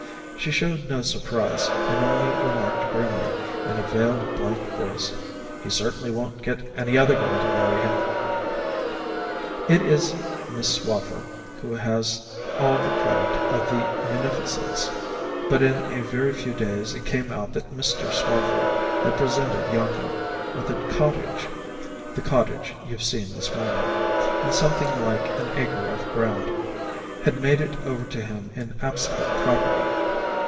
She showed no surprise, and only remarked grimly, in a veiled blank voice, 'He certainly won't get any other girl to marry him.' "It is Miss Swaffer who has all the credit of the munificence: but in a very few days it came out that Mr. Swaffer had presented Yanko with a cottage (the cottage you've seen this morning) and something like an acre of ground had made it over to him in absolute property.